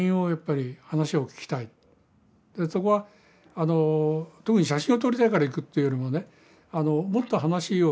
そこは特に写真を撮りたいから行くというよりもねもっと話を深めたい。